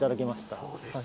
そうですか。